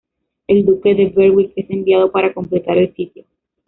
El Duque de Berwick es enviado para completar el sitio.